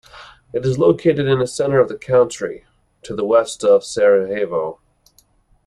It is located in the center of the country, to the west of Sarajevo.